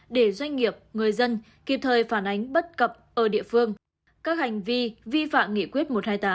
để doanh nghiệp người dân kịp thời phản ánh bất cập ở địa phương các hành vi vi phạm nghị quyết một trăm hai mươi tám